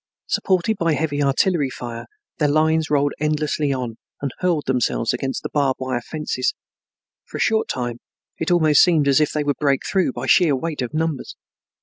Supported by heavy artillery fire their lines rolled endlessly on and hurled themselves against the barbed wire fences. For a short time it almost seemed, as if they would break through by sheer weight of numbers.